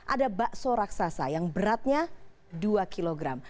ada bakso raksasa yang beratnya dua kilogram